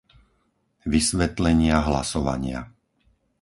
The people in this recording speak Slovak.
Vysvetlenia hlasovania